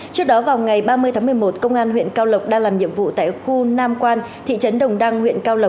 trước đó vào ngày ba mươi tháng một mươi một công an huyện cao lộc đang làm nhiệm vụ tại khu nam quan thị trấn đồng đăng huyện cao lộc